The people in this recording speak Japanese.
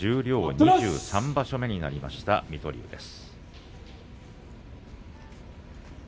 ２３場所目になりました水戸龍です。